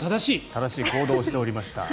正しい行動をしておりました。